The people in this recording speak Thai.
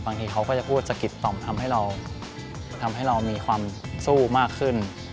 บางทีเขาก็จะพูดสะกิดต่อมทำให้เรามีความสู้มากขึ้น